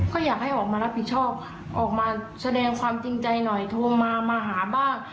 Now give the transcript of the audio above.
ก็อยากให้ออกมารับผิดชอบออกมาแสดงความจริงใจหน่อยโทรมามาหาบ้าง